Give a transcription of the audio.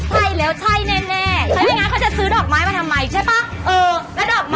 ไปแล้วใช่แน่เขาให้งานเขาจะซื้อดอกไม้มาทำไม